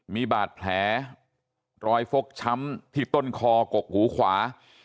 มีบาดแผลรอยฟกช้ำที่ต้นคอกกหูขวา